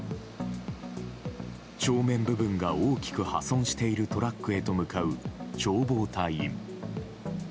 正面部分が大きく破損しているトラックへと向かう消防隊員。